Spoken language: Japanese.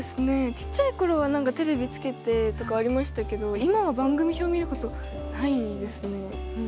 小っちゃいころはテレビつけてとかありましたけど今は番組表見ること、ないですね。